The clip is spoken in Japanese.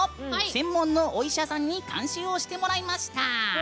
専門のお医者さんに監修をしてもらいました。